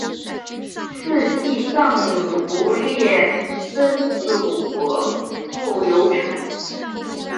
赐祭葬如例曾祖父刘澄。